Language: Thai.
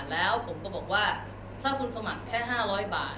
แล้วผมก็บอกว่าถ้าคุณสมัครแค่๕๐๐บาท